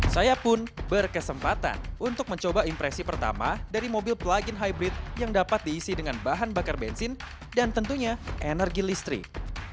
saya pun berkesempatan untuk mencoba impresi pertama dari mobil plug in hybrid yang dapat diisi dengan bahan bakar bensin dan tentunya energi listrik